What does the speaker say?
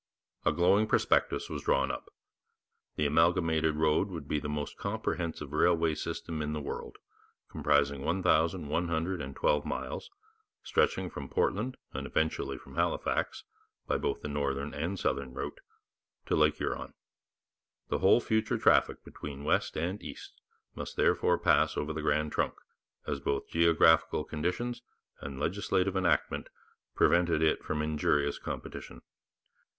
A glowing prospectus was drawn up. The amalgamated road would be the most comprehensive railway system in the world, comprising 1112 miles, stretching from Portland and eventually from Halifax (by both the northern and the southern route) to Lake Huron. The whole future traffic between west and east must therefore pass over the Grand Trunk, as both geographical conditions and legislative enactment prevented it from injurious competition.